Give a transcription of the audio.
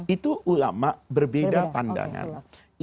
itu ulama berbeda pandangan